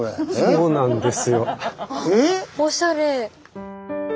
そうなんです。